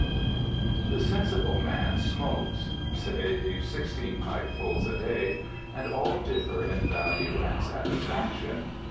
The sensible man smokes (say) sixteen pipefuls a day, and all differ in value and satisfaction.